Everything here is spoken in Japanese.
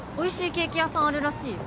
ケーキ屋さんあるらしいよ